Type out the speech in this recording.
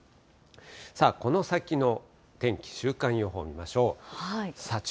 この先の天気、週間予報見ましょう。